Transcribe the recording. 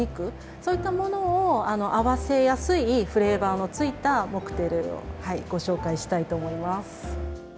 そういったものを合わせやすいフレーバーのついたモクテルをご紹介したいと思います。